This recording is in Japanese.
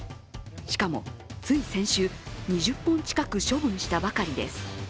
しかもつい先週、２０本近く処分したばかりです。